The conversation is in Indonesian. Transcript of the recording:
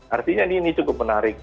artinya ini cukup menarik